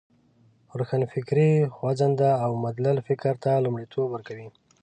روښانفکري خوځنده او مدلل فکر ته لومړیتوب ورکوی.